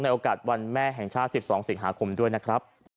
โอกาสวันแม่แห่งชาติ๑๒สิงหาคมด้วยนะครับ